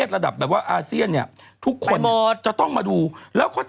สร้างโรงบาล